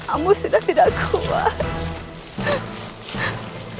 amu sudah tidak kuat